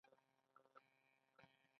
فلم باید د یووالي پیغام ورکړي